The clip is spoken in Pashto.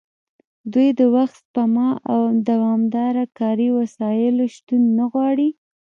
دوی د وخت سپما او دوامداره کاري وسایلو شتون نه غواړي